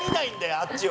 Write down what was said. あっちを。